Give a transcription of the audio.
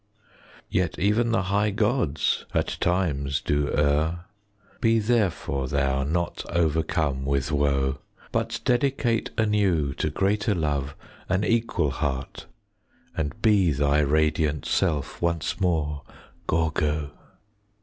5 Yet even the high gods at times do err; Be therefore thou not overcome with woe, But dedicate anew to greater love An equal heart, and be thy radiant self Once more, Gorgo.